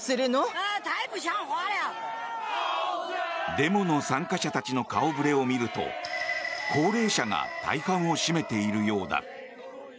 デモの参加者たちの顔触れを見ると高齢者が大半を占めているようだ。